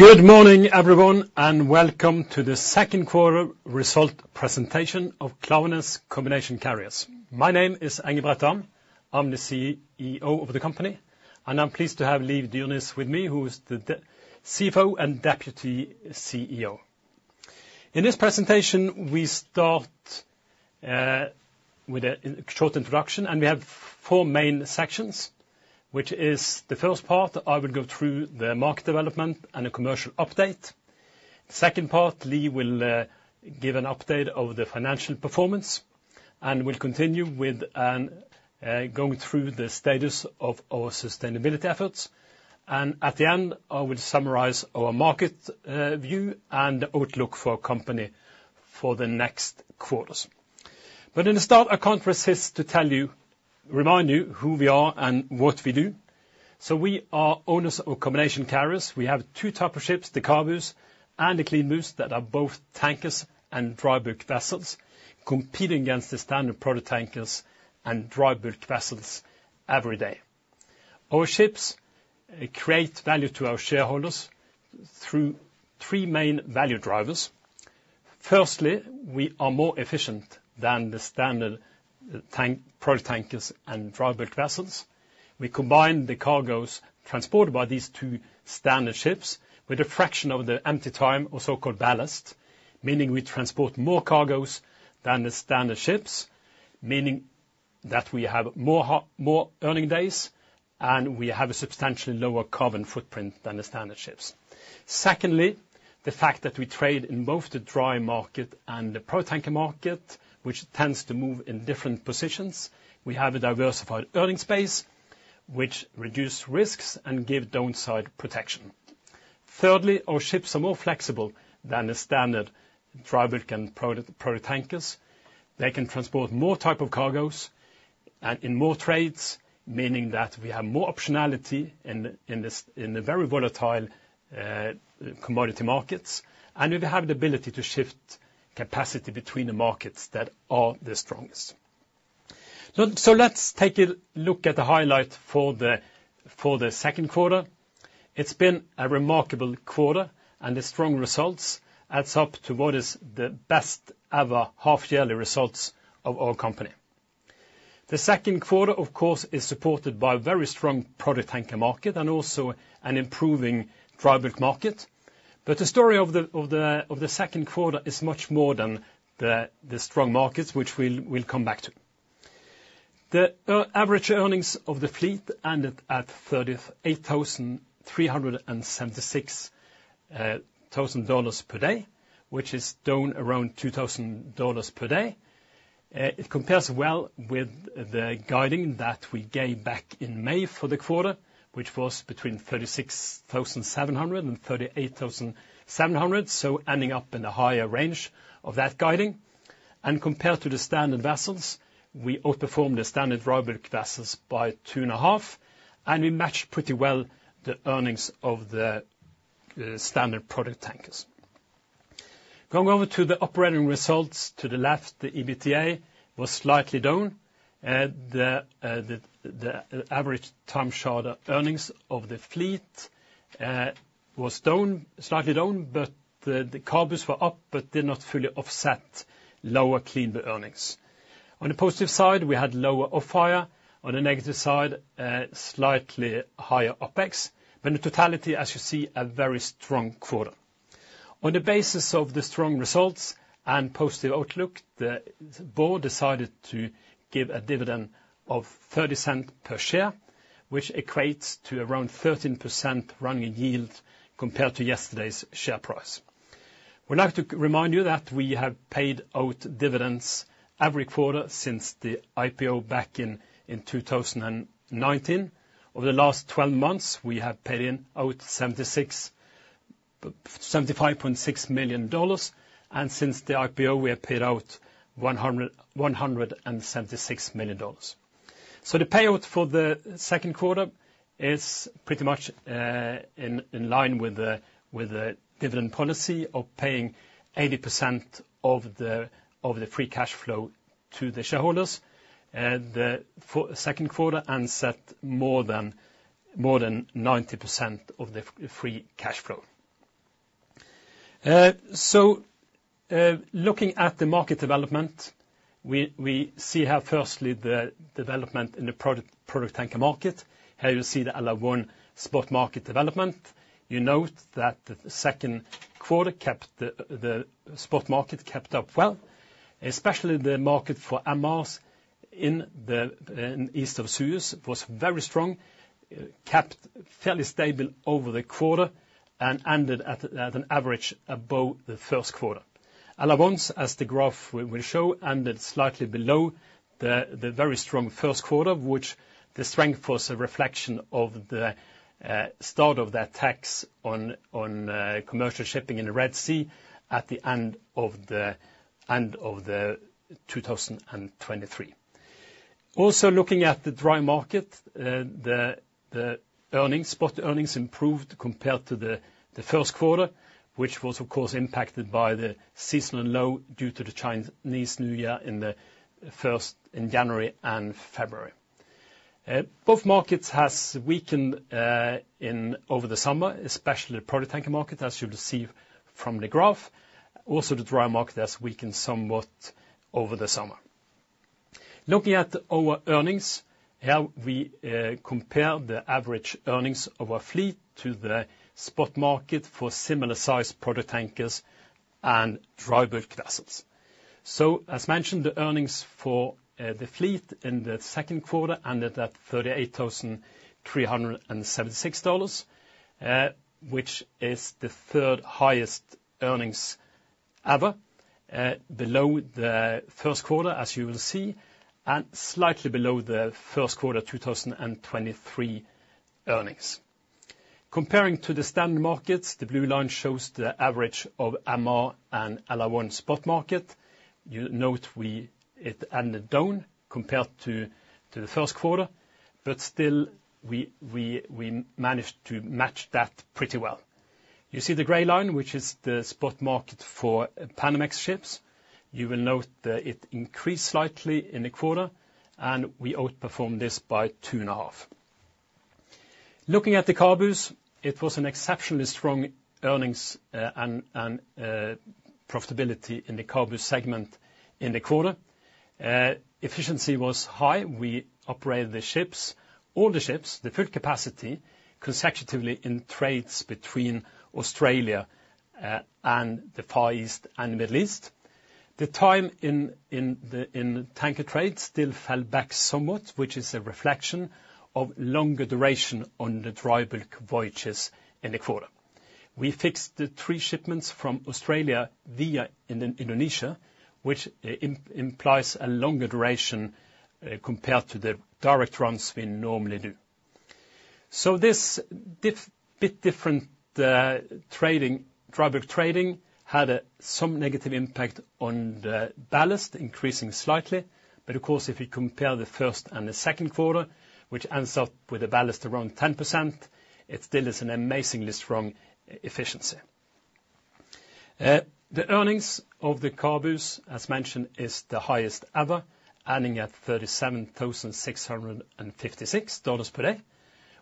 Good morning, everyone, and welcome to the second quarter result presentation of Klaveness Combination Carriers. My name is Engebret Dahm. I'm the CEO of the company, and I'm pleased to have Liv Dyrnes with me, who is the CFO and Deputy CEO. In this presentation, we start with a short introduction, and we have four main sections, which is the first part, I will go through the market development and a commercial update. Second part, Liv will give an update of the financial performance, and we'll continue with going through the status of our sustainability efforts. And at the end, I will summarize our market view and outlook for our company for the next quarters. But in the start, I can't resist to tell you, remind you, who we are and what we do. So we are owners of Combination Carriers. We have two type of ships, the CABUs and the CLEANBUs, that are both tankers and dry bulk vessels, competing against the standard product tankers and dry bulk vessels every day. Our ships create value to our shareholders through three main value drivers. Firstly, we are more efficient than the standard product tankers and dry bulk vessels. We combine the cargoes transported by these two standard ships with a fraction of the empty time, or so-called ballast, meaning we transport more cargoes than the standard ships, meaning that we have more earning days, and we have a substantially lower carbon footprint than the standard ships. Secondly, the fact that we trade in both the dry market and the product tanker market, which tends to move in different positions, we have a diversified earning space, which reduce risks and give downside protection. Thirdly, our ships are more flexible than the standard dry bulk and product, product tankers. They can transport more type of cargoes and in more trades, meaning that we have more optionality in this very volatile commodity markets, and we have the ability to shift capacity between the markets that are the strongest. So let's take a look at the highlights for the second quarter. It's been a remarkable quarter, and the strong results adds up to what is the best ever half-yearly results of our company. The second quarter, of course, is supported by a very strong product tanker market and also an improving dry bulk market. But the story of the second quarter is much more than the strong markets, which we'll come back to. The average earnings of the fleet ended at $38,376 per day, which is down around $2,000 per day. It compares well with the guiding that we gave back in May for the quarter, which was between $36,700 and $38,700, so ending up in the higher range of that guiding. And compared to the standard vessels, we outperformed the standard dry bulk vessels by two and a half, and we matched pretty well the earnings of the standard product tankers. Going over to the operating results, to the left, the EBITDA was slightly down, the average time charter earnings of the fleet was down, slightly down, but the CABUs were up, but did not fully offset lower CLEANBU earnings. On the positive side, we had lower offhire. On the negative side, slightly higher OpEx, but in totality, as you see, a very strong quarter. On the basis of the strong results and positive outlook, the board decided to give a dividend of $0.30 per share, which equates to around 13% running yield compared to yesterday's share price. We'd like to remind you that we have paid out dividends every quarter since the IPO back in 2019. Over the last 12 months, we have paid out $75.6 million, and since the IPO, we have paid out $176 million. So the payout for the second quarter is pretty much in line with the dividend policy of paying 80% of the free cash flow to the shareholders, the second quarter, and set more than 90% of the free cash flow. So looking at the market development, we see how, firstly, the development in the product tanker market. Here you see the other one, spot market development. You note that the second quarter, the spot market kept up well, especially the market for MRs in the East of Suez was very strong, kept fairly stable over the quarter and ended at an average above the first quarter. As the graph will show, ended slightly below the very strong first quarter, which the strength was a reflection of the start of the attacks on commercial shipping in the Red Sea at the end of 2023. Also, looking at the dry market, the spot earnings improved compared to the first quarter, which was, of course, impacted by the seasonal low due to the Chinese New Year in January and February. Both markets has weakened in over the summer, especially the product tanker market, as you'll see from the graph. Also, the dry market has weakened somewhat over the summer. Looking at our earnings, here we compare the average earnings of our fleet to the spot market for similar-sized product tankers and dry bulk vessels. So as mentioned, the earnings for the fleet in the second quarter ended at $38,376, which is the third highest earnings ever, below the first quarter, as you will see, and slightly below the first quarter 2023 earnings. Comparing to the standard markets, the blue line shows the average of MR and LR1 spot market. You note it ended down compared to the first quarter, but still, we managed to match that pretty well. You see the gray line, which is the spot market for Panamax ships. You will note that it increased slightly in the quarter, and we outperformed this by two and a half. Looking at the CABU, it was an exceptionally strong earnings and profitability in the CABU segment in the quarter. Efficiency was high. We operated the ships, all the ships, the full capacity, consecutively in trades between Australia and the Far East and Middle East. The time in tanker trades still fell back somewhat, which is a reflection of longer duration on the dry bulk voyages in the quarter. We fixed the three shipments from Australia via Indonesia, which implies a longer duration compared to the direct runs we normally do. So this bit different trading, dry bulk trading, had some negative impact on the ballast, increasing slightly. But of course, if you compare the first and the second quarter, which ends up with a ballast around 10%, it still is an amazingly strong efficiency. The earnings of the CABUs, as mentioned, is the highest ever, ending at $37,656 per day,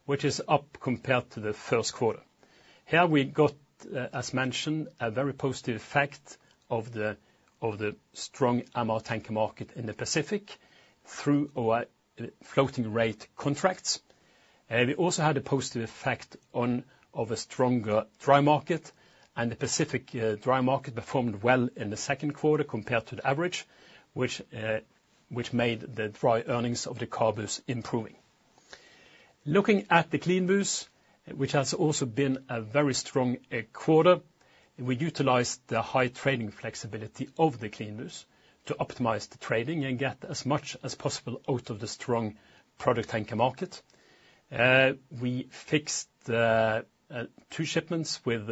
which is up compared to the first quarter. Here we got, as mentioned, a very positive effect of the strong MR tanker market in the Pacific through our floating rate contracts. We also had a positive effect of a stronger dry market, and the Pacific dry market performed well in the second quarter compared to the average, which made the dry earnings of the CABUs improving. Looking at the CLEANBUs, which has also been a very strong quarter, we utilized the high trading flexibility of the CLEANBUs to optimize the trading and get as much as possible out of the strong product tanker market. We fixed two shipments with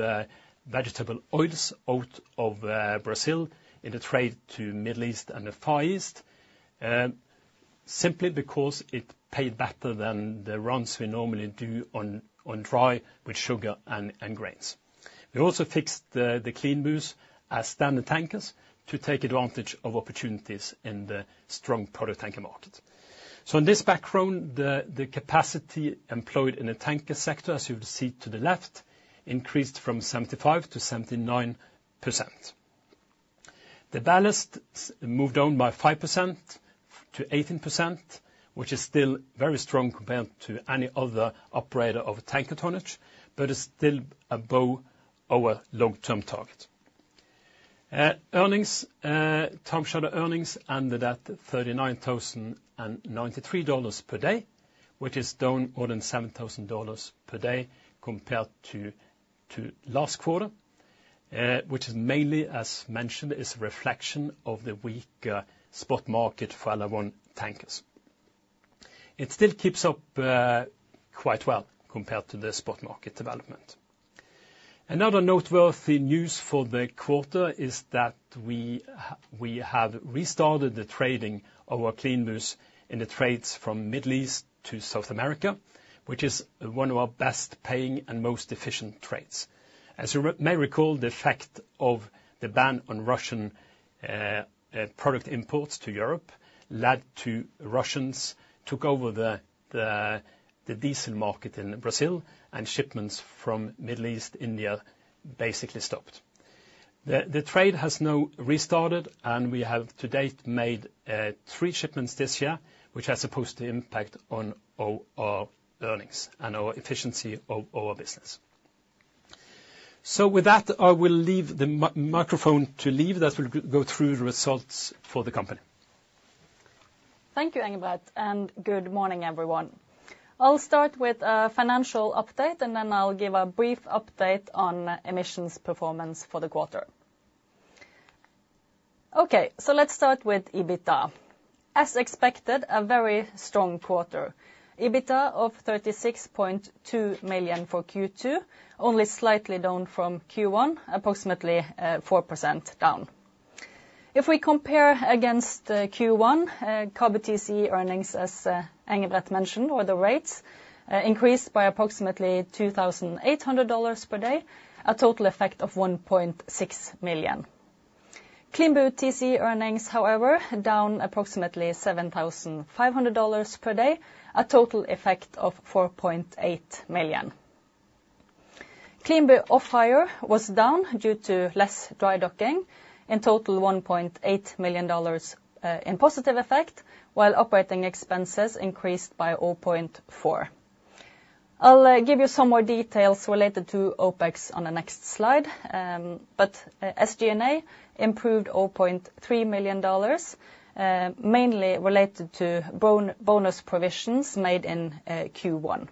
vegetable oils out of Brazil in the trade to Middle East and the Far East, simply because it paid better than the runs we normally do on dry with sugar and grains. We also fixed the CLEANBUs as standard tankers to take advantage of opportunities in the strong product tanker market. So in this background, the capacity employed in the tanker sector, as you will see to the left, increased from 75% to 79%. The ballast moved down by 5% to 18%, which is still very strong compared to any other operator of tanker tonnage, but is still above our long-term target. Earnings, time charter earnings ended at $39,093 per day, which is down more than $7,000 per day compared to last quarter, which is mainly, as mentioned, is a reflection of the weak spot market for LR1 tankers. It still keeps up quite well compared to the spot market development. Another noteworthy news for the quarter is that we have restarted the trading of our CLEANBUs in the trades from Middle East to South America, which is one of our best-paying and most efficient trades. As you may recall, the effect of the ban on Russian product imports to Europe led to Russians took over the diesel market in Brazil, and shipments from Middle East, India, basically stopped. The trade has now restarted, and we have to date made three shipments this year, which has a positive impact on our earnings and our efficiency of our business. So with that, I will leave the microphone to Liv, that will go through the results for the company. Thank you, Engebret, and good morning, everyone. I'll start with a financial update, and then I'll give a brief update on emissions performance for the quarter. Okay, so let's start with EBITDA. As expected, a very strong quarter. EBITDA of $36.2 million for Q2, only slightly down from Q1, approximately 4% down. If we compare against Q1 CABU TCE earnings, as Engebret mentioned, or the rates increased by approximately $2,800 per day, a total effect of $1.6 million. CLEANBU TCE earnings, however, down approximately $7,500 per day, a total effect of $4.8 million. CLEANBU off-hire was down due to less dry docking, in total $1.8 million in positive effect, while operating expenses increased by 0.4. I'll give you some more details related to OpEx on the next slide, but SG&A improved $0.3 million, mainly related to bonus provisions made in Q1.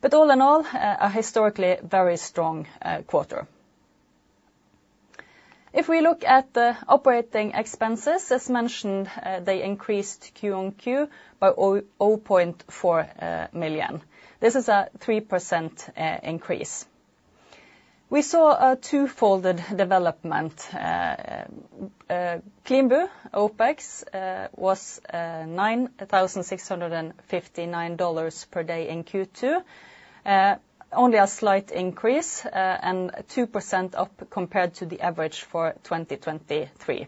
But all in all, a historically very strong quarter. If we look at the operating expenses, as mentioned, they increased Q on Q by $0.4 million. This is a 3% increase. We saw a two-folded development, CLEANBU OpEx was $9,659 per day in Q2. Only a slight increase, and 2% up compared to the average for 2023.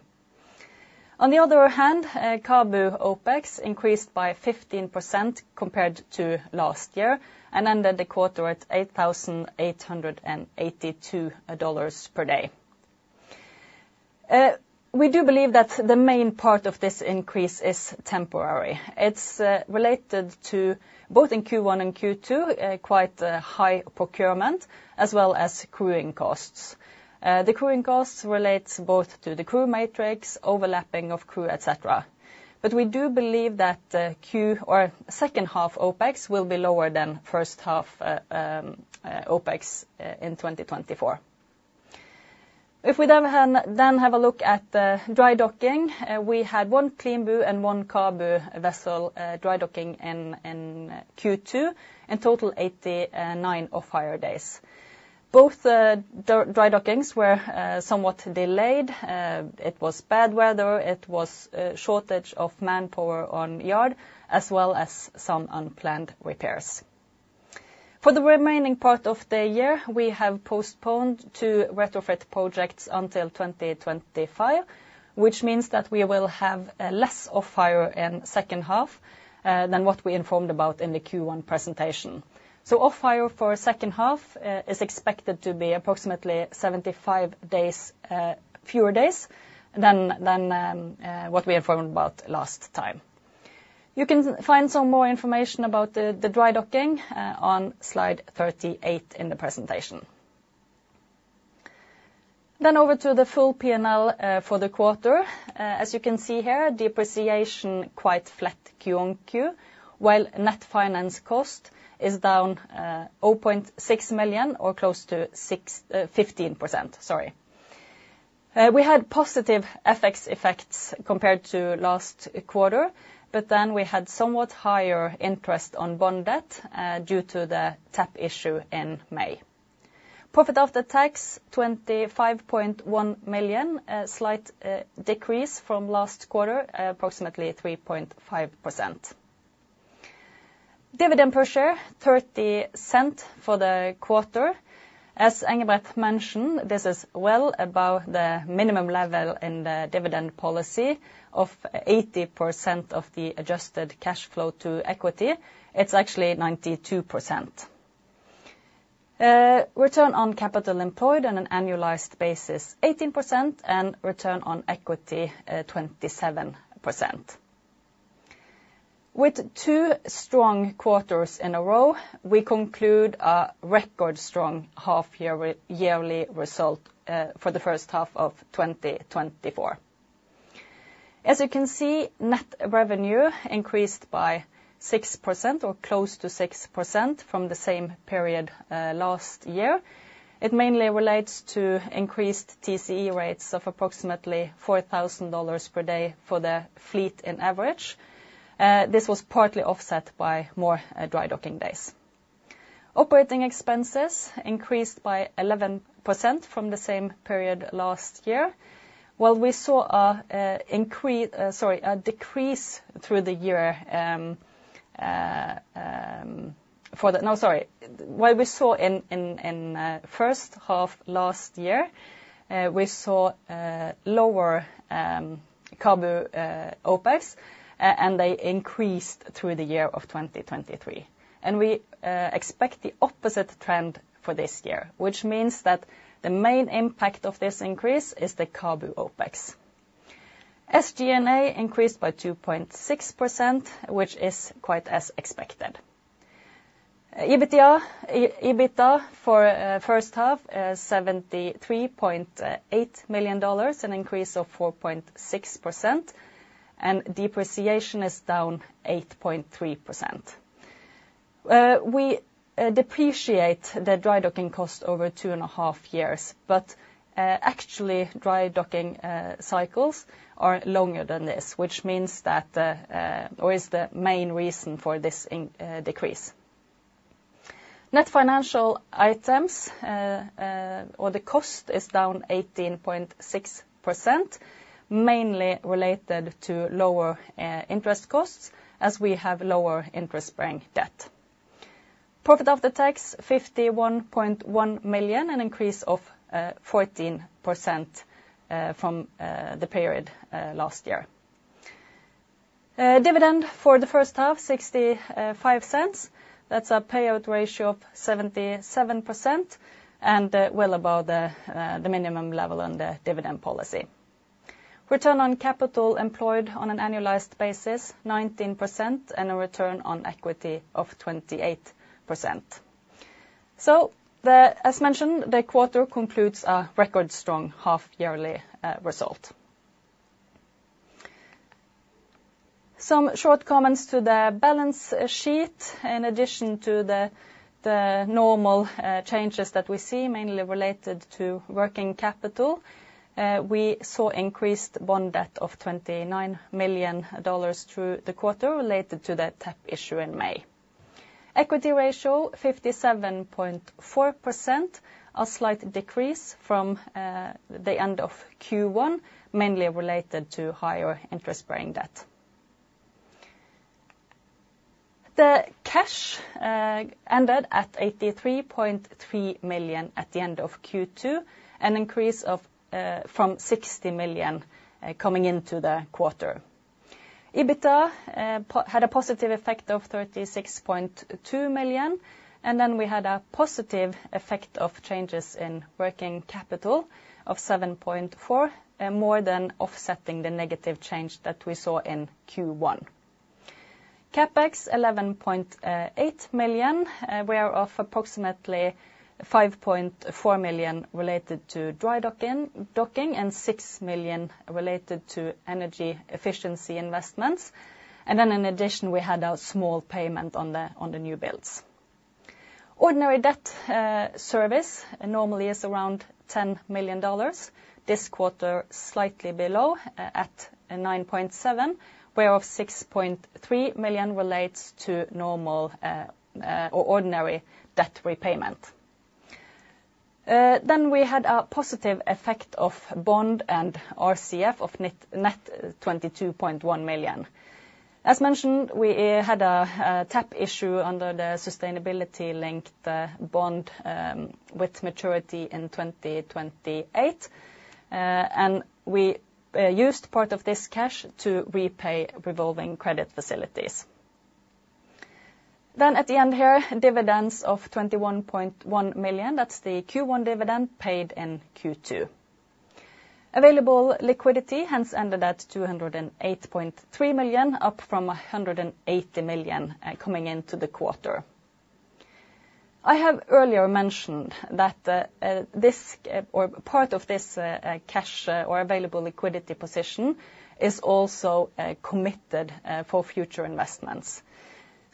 On the other hand, CABU OpEx increased by 15% compared to last year, and ended the quarter at $8,882 per day. We do believe that the main part of this increase is temporary. It's related to, both in Q1 and Q2, a quite high procurement, as well as crewing costs. The crewing costs relates both to the crew matrix, overlapping of crew, et cetera. But we do believe that the Q or second half OpEx will be lower than first half OpEx in 2024. If we then have a look at the dry docking, we had one CLEANBU and one CABU vessel dry docking in Q2, in total 89 off-hire days. Both dry dockings were somewhat delayed. It was bad weather, it was a shortage of manpower on yard, as well as some unplanned repairs. For the remaining part of the year, we have postponed two retrofit projects until 2025, which means that we will have less off-hire in second half than what we informed about in the Q1 presentation. Off-hire for second half is expected to be approximately 75 days fewer days than what we informed about last time. You can find some more information about the dry docking on slide 38 in the presentation. Then over to the full P&L for the quarter. As you can see here, depreciation quite flat Q on Q, while net finance cost is down $0.6 million, or close to 15%, sorry. We had positive FX effects compared to last quarter, but then we had somewhat higher interest on bond debt due to the tap issue in May. Profit after tax $25.1 million, a slight decrease from last quarter, approximately 3.5%. Dividend per share $0.30 for the quarter. As Engebret mentioned, this is well above the minimum level in the dividend policy of 80% of the adjusted cash flow to equity. It's actually 92%. Return on capital employed on an annualized basis 18%, and return on equity 27%. With two strong quarters in a row, we conclude a record strong half-yearly result for the first half of 2024. As you can see, net revenue increased by 6% or close to 6% from the same period last year. It mainly relates to increased TCE rates of approximately $4,000 per day for the fleet on average. This was partly offset by more dry docking days. Operating expenses increased by 11% from the same period last year. While we saw a decrease through the year. What we saw in first half last year, we saw a lower CABU OpEx, and they increased through the year of 2023. And we expect the opposite trend for this year, which means that the main impact of this increase is the CABU OpEx. SG&A increased by 2.6%, which is quite as expected. EBITDA for first half, $73.8 million, an increase of 4.6%, and depreciation is down 8.3%. We depreciate the dry docking cost over two and a half years, but actually, dry docking cycles are longer than this, which means that the or is the main reason for this decrease. Net financial items or the cost is down 18.6%, mainly related to lower interest costs, as we have lower interest-bearing debt. Profit after tax, $51.1 million, an increase of 14% from the period last year. Dividend for the first half, $0.65. That's a payout ratio of 77%, and well above the minimum level in the dividend policy. Return on capital employed on an annualized basis, 19%, and a return on equity of 28%. So the, as mentioned, the quarter concludes a record strong half yearly result. Some short comments to the balance sheet. In addition to the normal changes that we see, mainly related to working capital, we saw increased bond debt of $29 million through the quarter related to the tap issue in May. Equity ratio, 57.4%, a slight decrease from the end of Q1, mainly related to higher interest-bearing debt. The cash ended at $83.3 million at the end of Q2, an increase from $60 million coming into the quarter. EBITDA had a positive effect of $36.2 million, and then we had a positive effect of changes in working capital of $7.4 million, more than offsetting the negative change that we saw in Q1. CapEx, $11.8 million, whereof approximately $5.4 million related to dry docking, and $6 million related to energy efficiency investments. And then in addition, we had a small payment on the new builds. Ordinary debt service normally is around $10 million. This quarter, slightly below, at $9.7 million, whereof $6.3 million relates to normal or ordinary debt repayment. Then we had a positive effect of bond and RCF of net $22.1 million. As mentioned, we had a tap issue under the sustainability-linked bond with maturity in 2028, and we used part of this cash to repay revolving credit facilities, then at the end here, dividends of $21.1 million, that's the Q1 dividend paid in Q2. Available liquidity, hence, ended at $208.3 million, up from $180 million coming into the quarter. I have earlier mentioned that this or part of this cash or available liquidity position is also committed for future investments,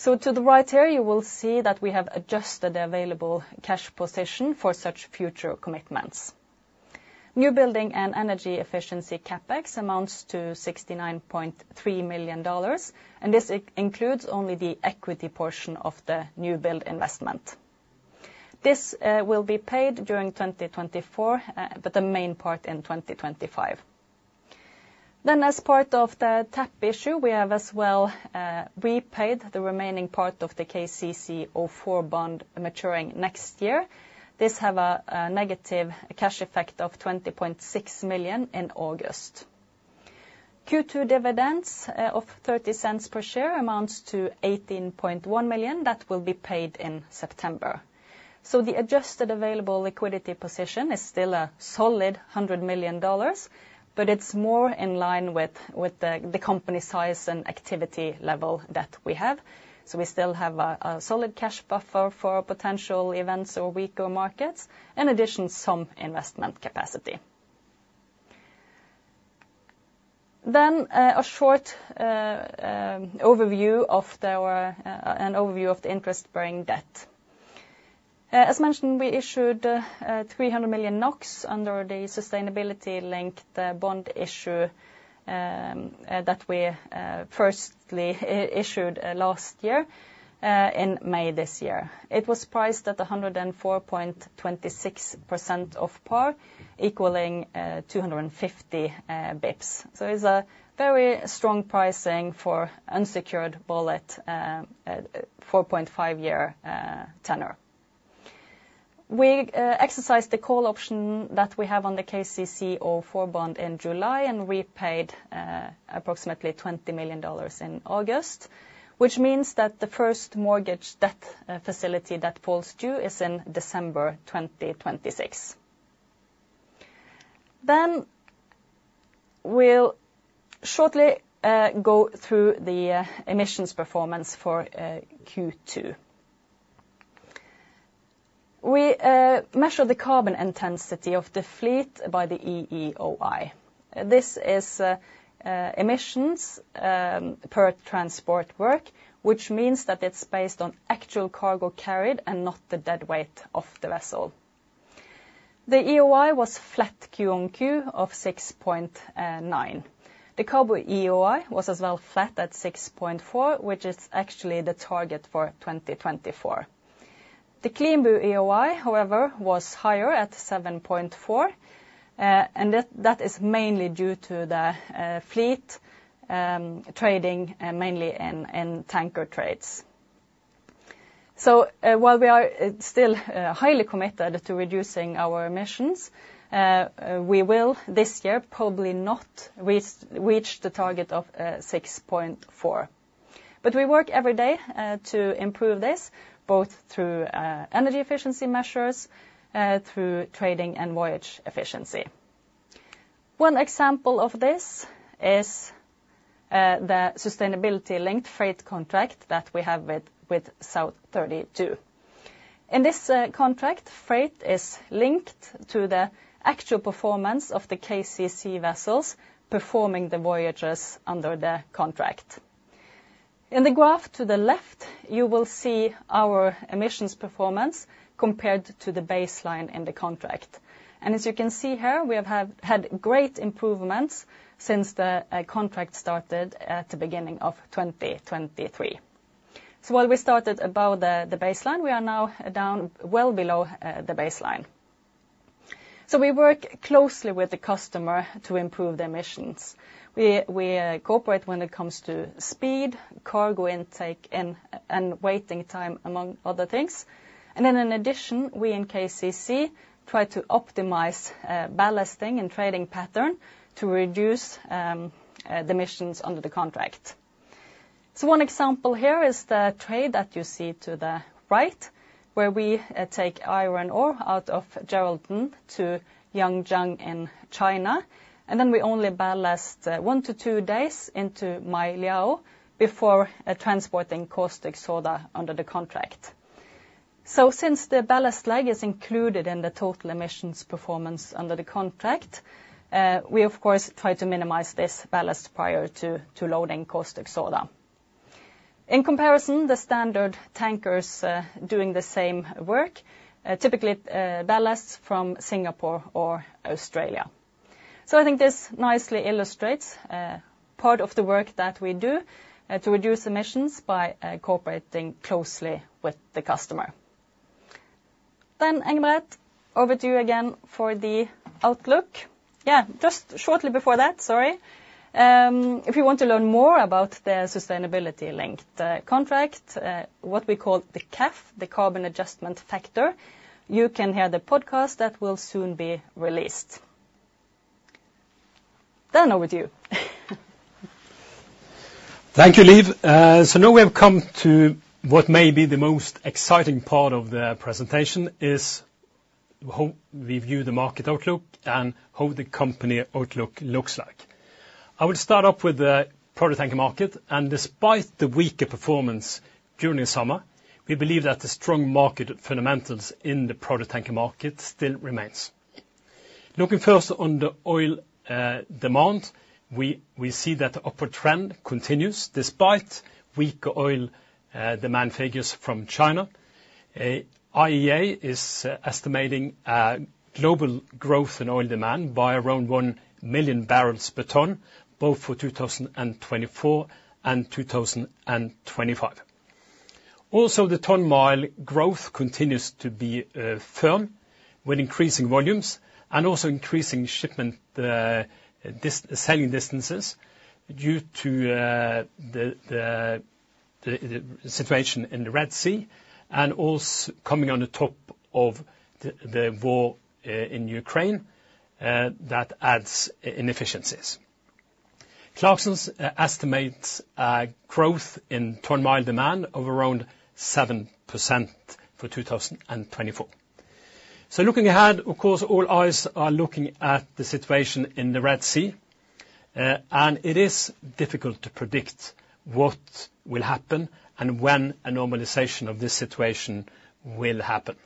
so to the right here, you will see that we have adjusted the available cash position for such future commitments. New building and energy efficiency CapEx amounts to $69.3 million, and this includes only the equity portion of the new build investment. This will be paid during 2024, but the main part in 2025. Then, as part of the tap issue, we have as well repaid the remaining part of the KCC04 bond maturing next year. This have a negative cash effect of $20.6 million in August. Q2 dividends of 30 cents per share amounts to $18.1 million. That will be paid in September. So the adjusted available liquidity position is still a solid $100 million, but it's more in line with the company size and activity level that we have. So we still have a solid cash buffer for potential events or weaker markets, in addition, some investment capacity. Then, a short overview of our. An overview of the interest-bearing debt. As mentioned, we issued 300 million NOK under the sustainability-linked bond issue that we firstly issued last year in May this year. It was priced at 104.26% of par, equaling 250 basis points. So it's a very strong pricing for unsecured bullet at 4.5-year tenor. We exercised the call option that we have on the KCC04 bond in July, and repaid approximately $20 million in August, which means that the first mortgage debt facility that falls due is in December 2026. Then we'll shortly go through the emissions performance for Q2. We measure the carbon intensity of the fleet by the EEOI. This is emissions per transport work, which means that it's based on actual cargo carried and not the deadweight of the vessel. The EEOI was flat Q on Q of 6.9. The CABU EEOI was as well flat at 6.4, which is actually the target for 2024. The CLEANBU EEOI, however, was higher at 7.4, and that is mainly due to the fleet trading and mainly in tanker trades. So while we are still highly committed to reducing our emissions, we will, this year, probably not reach the target of 6.4. But we work every day to improve this, both through energy efficiency measures through trading and voyage efficiency. One example of this is the sustainability-linked freight contract that we have with South32. In this contract, freight is linked to the actual performance of the KCC vessels performing the voyages under the contract. In the graph to the left, you will see our emissions performance compared to the baseline in the contract. And as you can see here, we have had great improvements since the contract started at the beginning of 2023. So while we started above the baseline, we are now down well below the baseline. So we work closely with the customer to improve the emissions. We cooperate when it comes to speed, cargo intake, and waiting time, among other things. And then in addition, we in KCC try to optimize ballasting and trading pattern to reduce the emissions under the contract. So one example here is the trade that you see to the right, where we take iron ore out of Geraldton to Yangjiang in China, and then we only ballast one to two days into Mailiao before transporting caustic soda under the contract. So since the ballast leg is included in the total emissions performance under the contract, we, of course, try to minimize this ballast prior to loading caustic soda. In comparison, the standard tankers doing the same work typically ballast from Singapore or Australia. So I think this nicely illustrates part of the work that we do to reduce emissions by cooperating closely with the customer. Then, Engebret, over to you again for the outlook. Yeah, just shortly before that, sorry. If you want to learn more about the sustainability-linked contract, what we call the CAF, the carbon adjustment factor, you can hear the podcast that will soon be released. Then over to you. Thank you, Liv. So now we have come to what may be the most exciting part of the presentation, is how we view the market outlook and how the company outlook looks like. I will start off with the product tanker market, and despite the weaker performance during the summer, we believe that the strong market fundamentals in the product tanker market still remains. Looking first on the oil, demand, we see that the upward trend continues despite weaker oil, demand figures from China. IEA is estimating a global growth in oil demand by around one million barrels per day, both for 2024 and 2025. Also, the ton-mile growth continues to be firm, with increasing volumes and also increasing sailing distances due to the situation in the Red Sea and also coming on top of the war in Ukraine that adds inefficiencies. Clarksons estimates a growth in ton-mile demand of around 7% for 2024. Looking ahead, of course, all eyes are looking at the situation in the Red Sea, and it is difficult to predict what will happen and when a normalization of this situation will happen.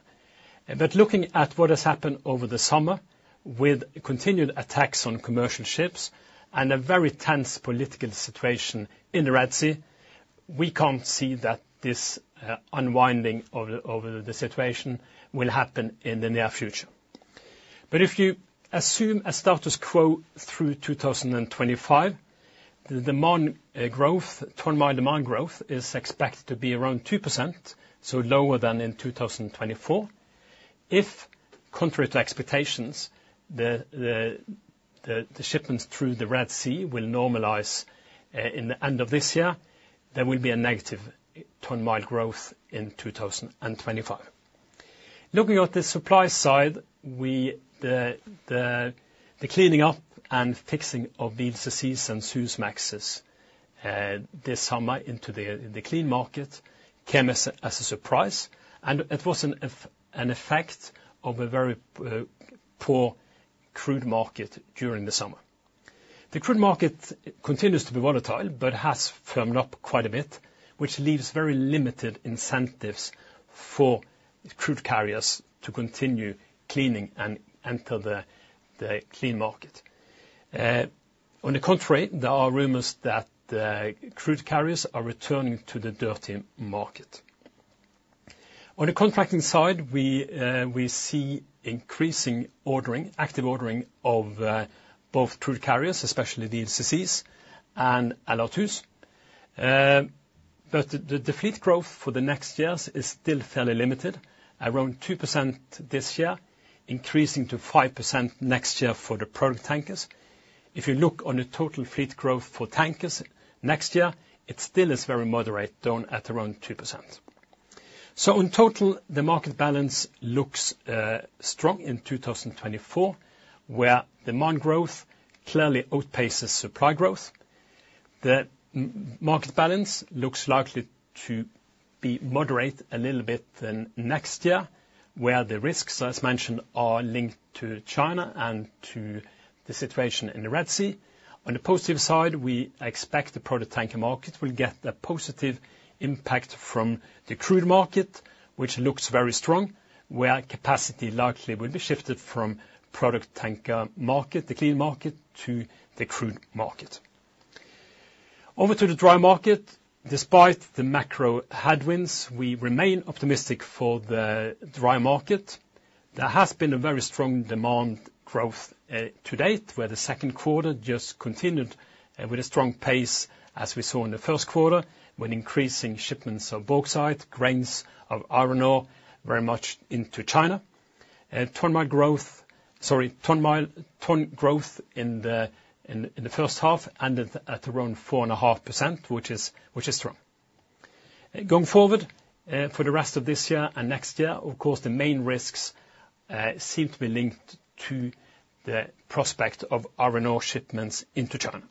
Looking at what has happened over the summer, with continued attacks on commercial ships and a very tense political situation in the Red Sea, we can't see that this unwinding of the situation will happen in the near future. But if you assume a status quo through 2025, the demand growth, ton-mile demand growth, is expected to be around 2%, so lower than in 2024. If, contrary to expectations, the shipments through the Red Sea will normalize in the end of this year, there will be a negative ton-mile growth in 2025. Looking at the supply side, the cleaning up and fixing of these VLCCs and Suezmaxes this summer into the clean market came as a surprise, and it was an effect of a very poor crude market during the summer. The crude market continues to be volatile, but has firmed up quite a bit, which leaves very limited incentives for crude carriers to continue cleaning and enter the clean market. On the contrary, there are rumors that crude carriers are returning to the dirty market. On the contracting side, we see increasing ordering, active ordering of both crude carriers, especially the VLCCs and LR2s. But the fleet growth for the next years is still fairly limited, around 2% this year, increasing to 5% next year for the product tankers. If you look on the total fleet growth for tankers next year, it still is very moderate, down at around 2%. So in total, the market balance looks strong in 2024, where demand growth clearly outpaces supply growth. The market balance looks likely to be moderate a little bit in next year, where the risks, as mentioned, are linked to China and to the situation in the Red Sea. On the positive side, we expect the product tanker market will get a positive impact from the crude market, which looks very strong, where capacity likely will be shifted from product tanker market, the clean market, to the crude market. Over to the dry market. Despite the macro headwinds, we remain optimistic for the dry market. There has been a very strong demand growth to date, where the second quarter just continued with a strong pace as we saw in the first quarter, when increasing shipments of bauxite, grains, of iron ore, very much into China. Ton-mile growth in the first half ended at around 4.5%, which is strong. Going forward, for the rest of this year and next year, of course, the main risks seem to be linked to the prospect of iron ore shipments into China.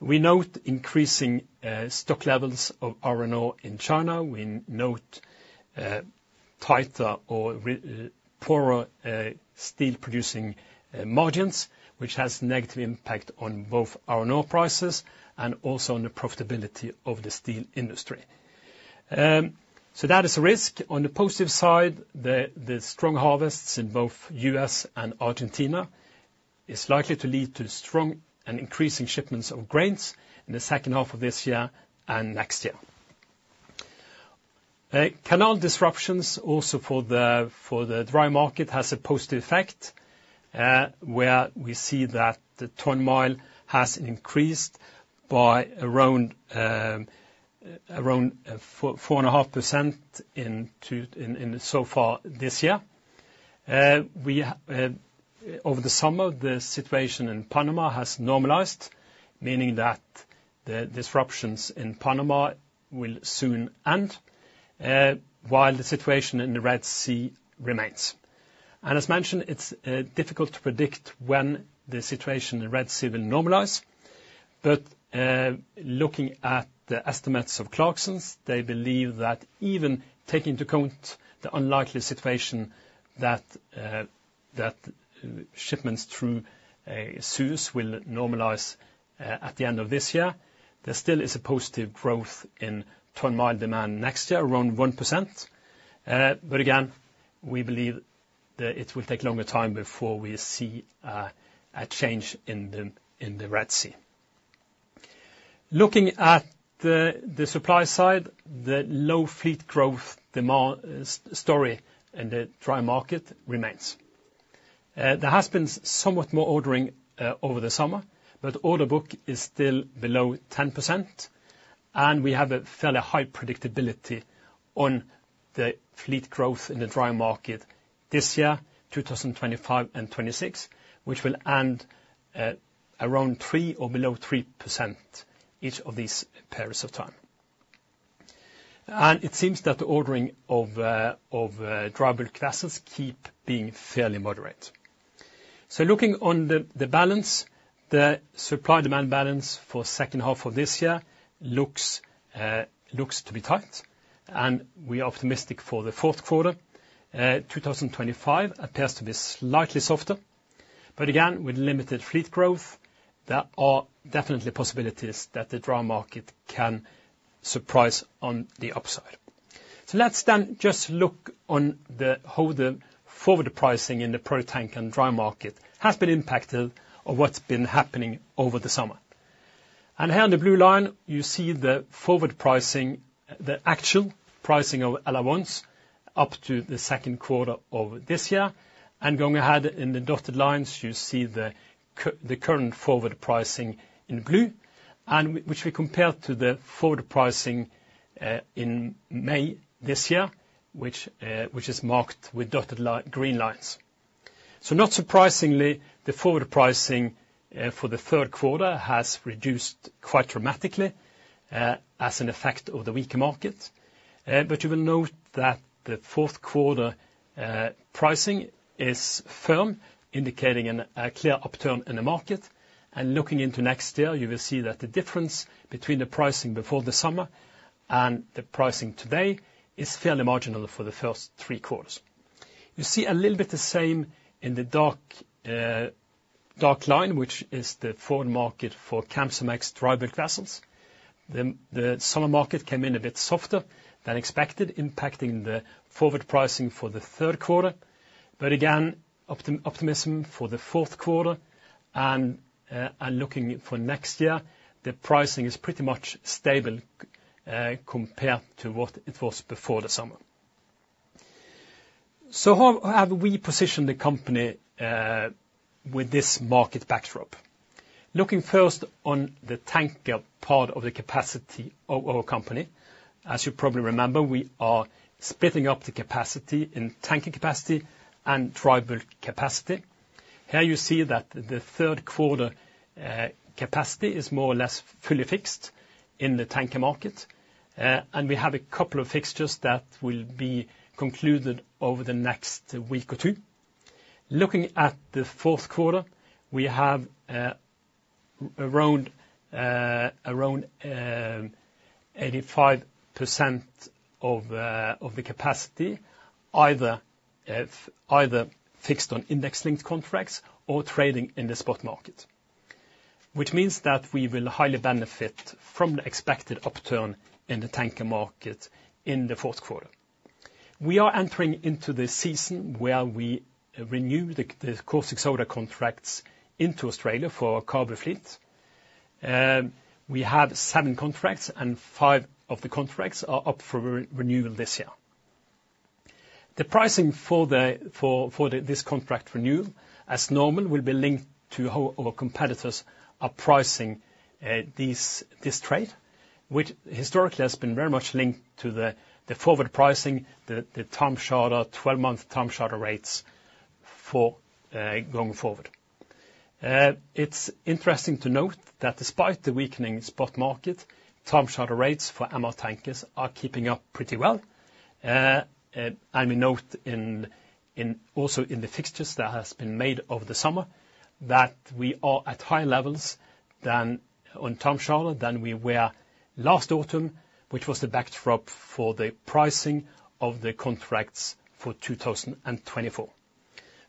We note increasing stock levels of iron ore in China. We note tighter or poorer steel-producing margins, which has negative impact on both iron ore prices and also on the profitability of the steel industry. So that is a risk. On the positive side, the strong harvests in both U.S. and Argentina is likely to lead to strong and increasing shipments of grains in the second half of this year and next year. Canal disruptions also for the dry market has a positive effect, where we see that the ton mile has increased by around 4.5% so far this year. Over the summer, the situation in Panama has normalized, meaning that the disruptions in Panama will soon end, while the situation in the Red Sea remains. And as mentioned, it's difficult to predict when the situation in the Red Sea will normalize, but looking at the estimates of Clarksons, they believe that even taking into account the unlikely situation that shipments through Suez will normalize at the end of this year, there still is a positive growth in ton mile demand next year, around 1%. But again, we believe that it will take longer time before we see a change in the Red Sea. Looking at the supply side, the low fleet growth demand story in the dry market remains. There has been somewhat more ordering over the summer, but order book is still below 10%, and we have a fairly high predictability on the fleet growth in the dry market this year, 2025 and 2026, which will end at around 3% or below 3% each of these periods of time. And it seems that the ordering of dry bulk vessels keep being fairly moderate. So looking on the balance, the supply-demand balance for second half of this year looks to be tight, and we are optimistic for the fourth quarter. Two thousand twenty-five appears to be slightly softer, but again, with limited fleet growth, there are definitely possibilities that the dry market can surprise on the upside. So let's then just look on how the forward pricing in the product tanker and dry market has been impacted of what's been happening over the summer. And here on the blue line, you see the forward pricing, the actual pricing of allowance up to the second quarter of this year. And going ahead in the dotted lines, you see the current forward pricing in blue, and which we compare to the forward pricing in May this year, which is marked with dotted line, green lines. So not surprisingly, the forward pricing for the third quarter has reduced quite dramatically as an effect of the weaker market. But you will note that the fourth quarter pricing is firm, indicating a clear upturn in the market. And looking into next year, you will see that the difference between the pricing before the summer and the pricing today is fairly marginal for the first three quarters. You see a little bit the same in the dark line, which is the forward market for Kamsarmax dry bulk vessels. The summer market came in a bit softer than expected, impacting the forward pricing for the third quarter. But again, optimism for the fourth quarter and looking for next year, the pricing is pretty much stable compared to what it was before the summer. So how have we positioned the company with this market backdrop? Looking first on the tanker part of the capacity of our company, as you probably remember, we are splitting up the capacity in tanker capacity and dry bulk capacity. Here you see that the third quarter capacity is more or less fully fixed in the tanker market, and we have a couple of fixtures that will be concluded over the next week or two. Looking at the fourth quarter, we have around 85% of the capacity, either fixed on index-linked contracts or trading in the spot market. Which means that we will highly benefit from the expected upturn in the tanker market in the fourth quarter. We are entering into the season where we renew the caustic soda contracts into Australia for our CABU fleet. We have seven contracts, and five of the contracts are up for re-renewal this year. The pricing for this contract renewal, as normal, will be linked to how our competitors are pricing this trade, which historically has been very much linked to the forward pricing, the time charter, 12-month time charter rates for going forward. It's interesting to note that despite the weakening spot market, time charter rates for MR tankers are keeping up pretty well, and we note also in the fixtures that has been made over the summer, that we are at higher levels than on time charter than we were last autumn, which was the backdrop for the pricing of the contracts for 2024.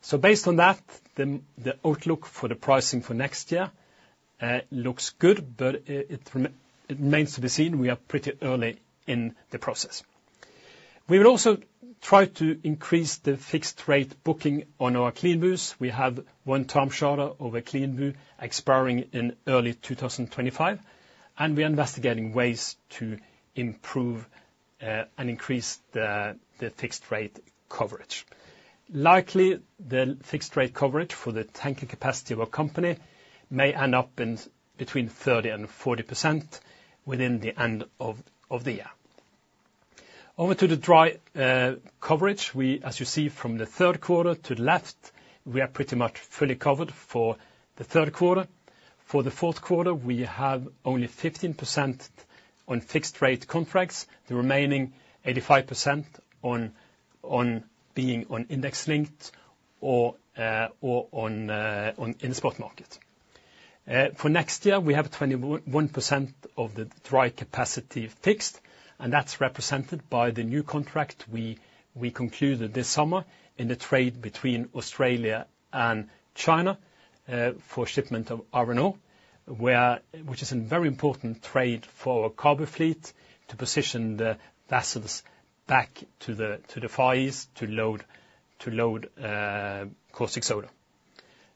So based on that, the outlook for the pricing for next year looks good, but it remains to be seen. We are pretty early in the process. We will also try to increase the fixed rate booking on our CLEANBU. We have one time charter over CLEANBU expiring in early 2025, and we are investigating ways to improve and increase the fixed rate coverage. Likely, the fixed rate coverage for the tanker capacity of our company may end up between 30% and 40% within the end of the year. Over to the dry coverage. As you see from the third quarter to the left, we are pretty much fully covered for the third quarter. For the fourth quarter, we have only 15% on fixed rate contracts, the remaining 85% on index linked or on in the spot market. For next year, we have 21% of the dry capacity fixed, and that's represented by the new contract we concluded this summer in the trade between Australia and China, for shipment of iron ore, which is a very important trade for our CABU fleet, to position the vessels back to the Far East, to load caustic soda.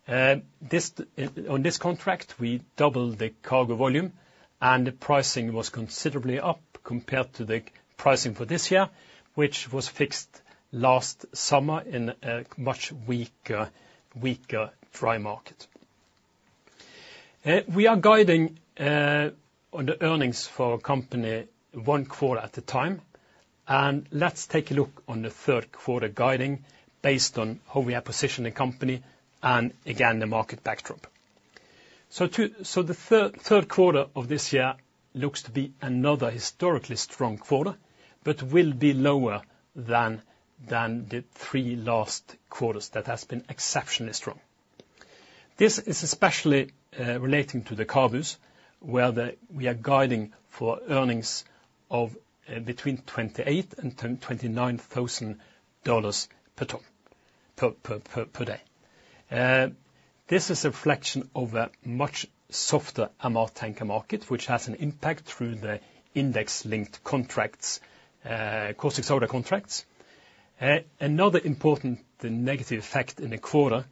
On this contract, we doubled the cargo volume, and the pricing was considerably up compared to the pricing for this year, which was fixed last summer in a much weaker dry market. We are guiding on the earnings for our company one quarter at a time, and let's take a look on the third quarter guiding based on how we are positioning the company and again, the market backdrop. The third quarter of this year looks to be another historically strong quarter, but will be lower than the three last quarters that has been exceptionally strong. This is especially relating to the CABUs, where we are guiding for earnings of between $28,000 and $29,000 per ton per day. This is a reflection of a much softer MR tanker market, which has an impact through the index-linked contracts, caustic soda contracts. Another important negative effect in the quarter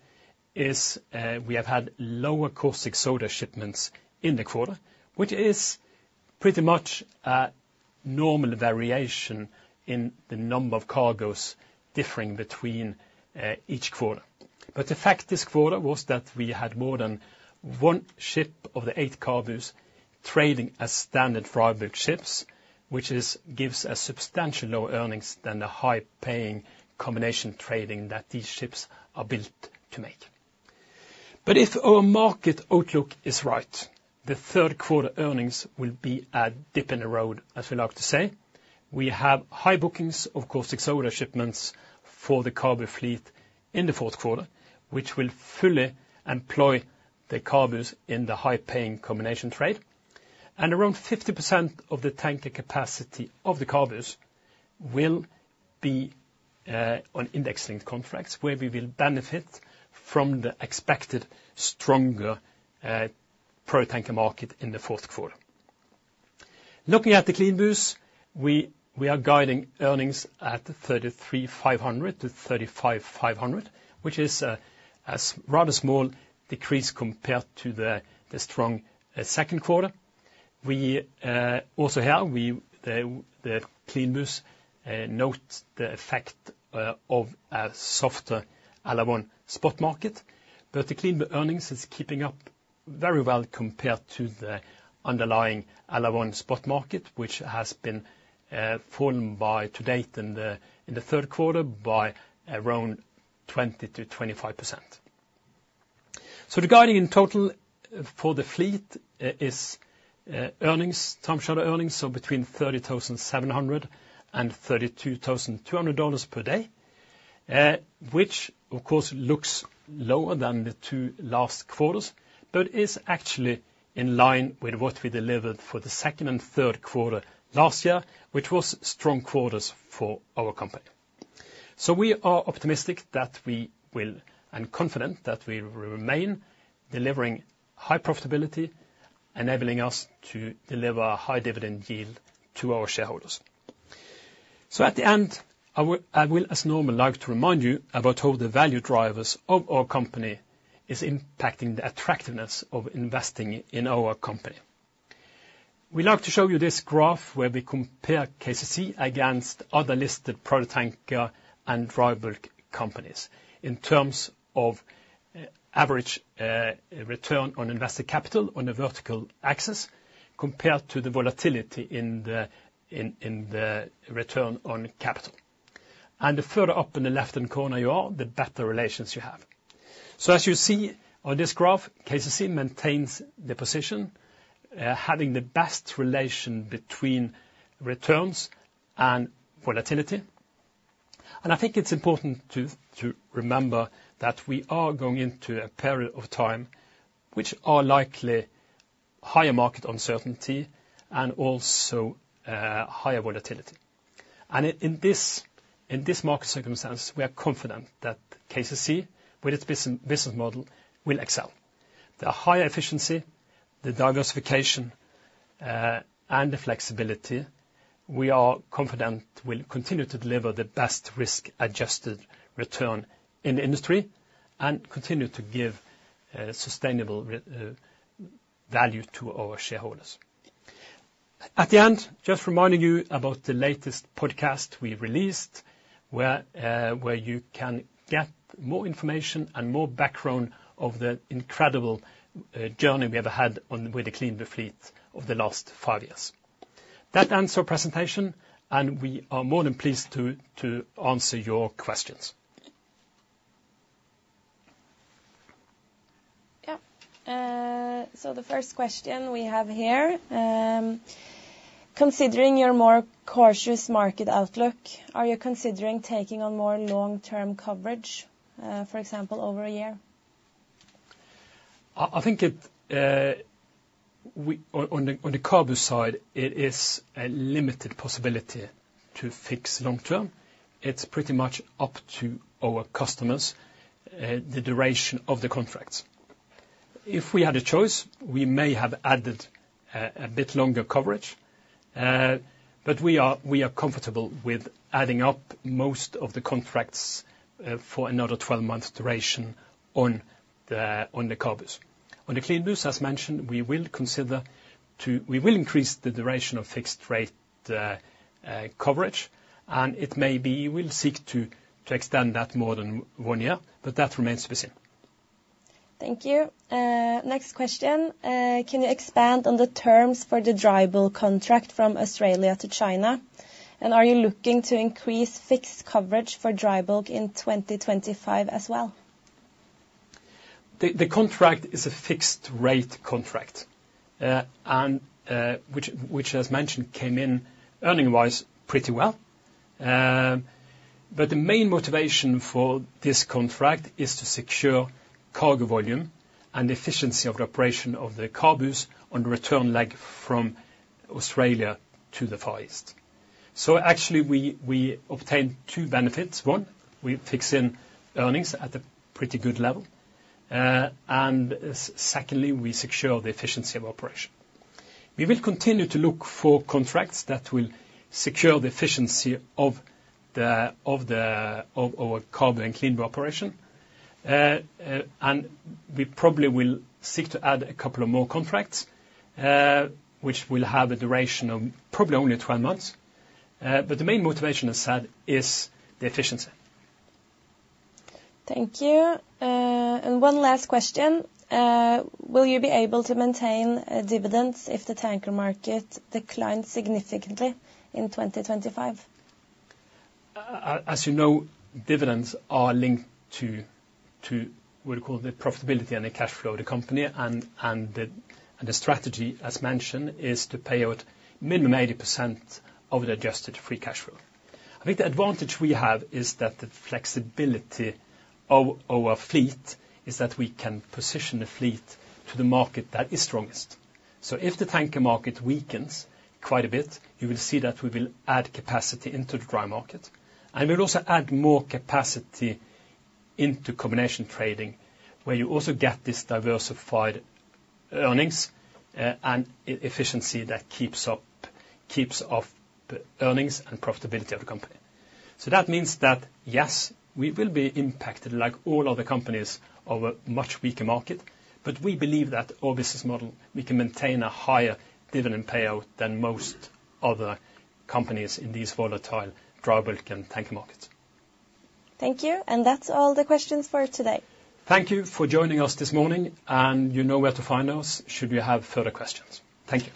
is, we have had lower caustic soda shipments in the quarter, which is pretty much a normal variation in the number of cargoes differing between each quarter. But the fact this quarter was that we had more than one ship of the eight CABUs trading as standard dry bulk ships, which gives a substantial lower earnings than the high-paying combination trading that these ships are built to make. But if our market outlook is right, the third quarter earnings will be a dip in the road, as we like to say. We have high bookings of caustic soda shipments for the CABU fleet in the fourth quarter, which will fully employ the CABUs in the high-paying combination trade. Around 50% of the tanker capacity of the CABUs will be on index linked contracts, where we will benefit from the expected stronger pro tanker market in the fourth quarter. Looking at the CLEANBUs, we are guiding earnings at $33,500-$35,500, which is a rather small decrease compared to the strong second quarter. Also here, the CLEANBUs note the effect of a softer LR1 spot market. The CLEANBU earnings are keeping up very well compared to the underlying LR1 spot market, which has fallen to date in the third quarter by around 20%-25%. So the guiding in total for the fleet is earnings, time charter earnings, so between $30,700 and $32,200 per day. Which of course looks lower than the two last quarters, but is actually in line with what we delivered for the second and third quarter last year, which was strong quarters for our company. We are optimistic that we will, and confident that we will remain delivering high profitability, enabling us to deliver a high dividend yield to our shareholders. At the end, I will, as normal, like to remind you about how the value drivers of our company is impacting the attractiveness of investing in our company. We like to show you this graph, where we compare KCC against other listed product tanker and dry bulk companies, in terms of average return on invested capital on a vertical axis, compared to the volatility in the return on capital. The further up in the left-hand corner you are, the better ratio you have. As you see on this graph, KCC maintains the position having the best ratio between returns and volatility. I think it's important to remember that we are going into a period of time which are likely higher market uncertainty and also higher volatility. In this market circumstance, we are confident that KCC, with its business model, will excel. The higher efficiency, the diversification, and the flexibility, we are confident will continue to deliver the best risk-adjusted return in the industry, and continue to give sustainable value to our shareholders. At the end, just reminding you about the latest podcast we released, where you can get more information and more background of the incredible journey we have had with the CLEANBU fleet of the last five years. That ends our presentation, and we are more than pleased to answer your questions. Yeah, so the first question we have here: considering your more cautious market outlook, are you considering taking on more long-term coverage, for example, over a year? I think it on the CABU side, it is a limited possibility to fix long term. It's pretty much up to our customers, the duration of the contracts. If we had a choice, we may have added a bit longer coverage, but we are comfortable with adding up most of the contracts for another twelve-month duration on the CABUs. On the CLEANBU, as mentioned, we will increase the duration of fixed rate coverage, and it may be we will seek to extend that more than one year, but that remains to be seen. Thank you. Next question. Can you expand on the terms for the dry bulk contract from Australia to China? And are you looking to increase fixed coverage for dry bulk in 2025 as well? The contract is a fixed rate contract, and which, as mentioned, came in earning-wise pretty well. But the main motivation for this contract is to secure cargo volume and efficiency of the operation of the CABUs on the return leg from Australia to the Far East. So actually, we obtained two benefits. One, we fix in earnings at a pretty good level. And secondly, we secure the efficiency of operation. We will continue to look for contracts that will secure the efficiency of our CABU and CLEANBU operation. And we probably will seek to add a couple of more contracts, which will have a duration of probably only 12 months. But the main motivation, as said, is the efficiency. Thank you. And one last question. Will you be able to maintain dividends if the tanker market declines significantly in 2025? As you know, dividends are linked to what you call the profitability and the cash flow of the company, and the strategy, as mentioned, is to pay out minimum 80% of the adjusted free cash flow. I think the advantage we have is that the flexibility of our fleet is that we can position the fleet to the market that is strongest, so if the tanker market weakens quite a bit, you will see that we will add capacity into the dry market, and we will also add more capacity into combination trading, where you also get this diversified earnings, and efficiency that keeps up the earnings and profitability of the company. So that means that, yes, we will be impacted, like all other companies, of a much weaker market, but we believe that our business model, we can maintain a higher dividend payout than most other companies in these volatile dry bulk and tanker markets. Thank you, and that's all the questions for today. Thank you for joining us this morning, and you know where to find us should you have further questions. Thank you.